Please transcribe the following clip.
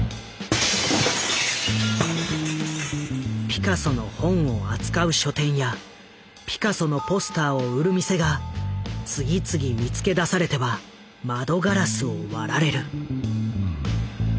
ピカソの本を扱う書店やピカソのポスターを売る店が次々見つけ出されては窓ガラスを割られる。